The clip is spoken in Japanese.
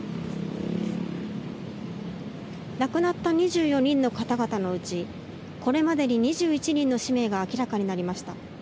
亡くなった２４人の方々のうちこれまでに２１人の氏名が明らかになりました。